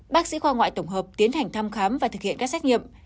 bác sĩ khoa ngoại tổng hợp tiến hành thăm khám và thực hiện các xét nghiệm